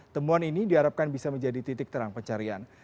temuan ini diharapkan bisa menjadi titik terang pencarian